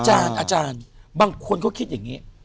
อาจารย์บางคนเขาคิดอย่างนี้